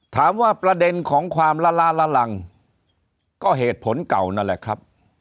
ถามว่าประเด็นของความละล้าละลังก็เหตุผลเก่านั่นแหละครับ